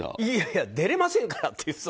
いやいや、出れませんから。